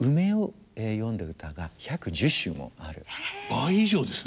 倍以上ですね。